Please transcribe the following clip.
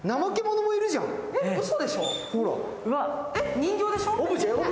人形でしょ？